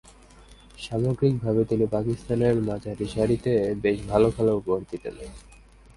সামগ্রীকভাবে তিনি পাকিস্তানের মাঝারিসারিতে বেশ ভালো খেলা উপহার দিতেন।